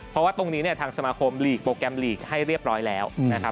เพราะว่าตรงนี้เนี่ยทางสมาคมหลีกโปรแกรมลีกให้เรียบร้อยแล้วนะครับ